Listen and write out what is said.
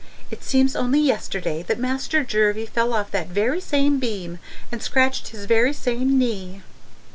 It seems only yesterday that Master Jervie fell off that very same beam and scratched this very same knee.'